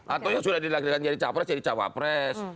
atau yang sudah dilagakkan jadi capres jadi cawapres